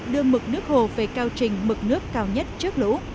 đưa mực nước hồ về cao trình mực nước cao nhất trước lũ